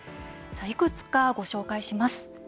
いくつか、ご紹介します。